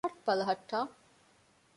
ހަޓް ބަލަހައްޓާ